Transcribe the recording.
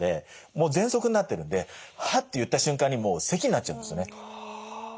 もうぜんそくになってるんで「ハッ」って言った瞬間にもうせきになっちゃうんですよね。